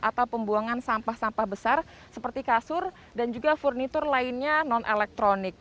atau pembuangan sampah sampah besar seperti kasur dan juga furnitur lainnya non elektronik